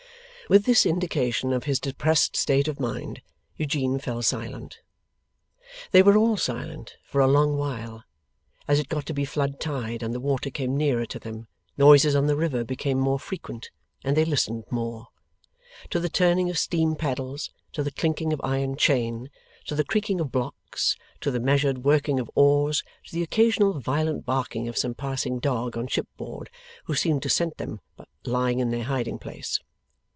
With this indication of his depressed state of mind, Eugene fell silent. They were all silent for a long while. As it got to be flood tide, and the water came nearer to them, noises on the river became more frequent, and they listened more. To the turning of steam paddles, to the clinking of iron chain, to the creaking of blocks, to the measured working of oars, to the occasional violent barking of some passing dog on shipboard, who seemed to scent them lying in their hiding place.